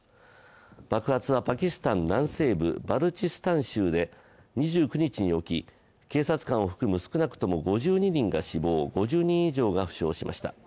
爆発はパキスタン南西部バルチスタン州で２９日に起き警察官を含む少なくとも５２人が死亡、５０人以上が負傷しました。